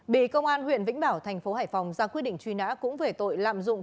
bị công an huyện vĩnh bảo thành phố hải phòng ra quyết định truy nã cũng về tội lạm dụng